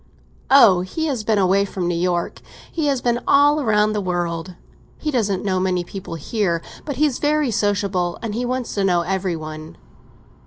"Oh, he has been away from New York—he has been all round the world. He doesn't know many people here, but he's very sociable, and he wants to know every one."